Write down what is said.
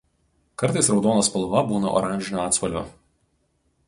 Kartais raudona spalva būna oranžinio atspalvio.